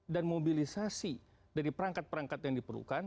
dan mobilisasi dari perangkat perangkat yang diperlukan